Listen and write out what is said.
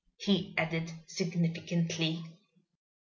he added, significantly.